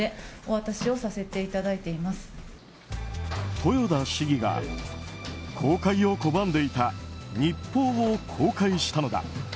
豊田市議が公開を拒んでいた日報を公開したのだ。